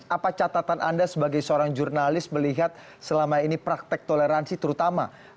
apa catatan anda sebagai seorang jurnalis melihat selama ini praktek toleransi terutama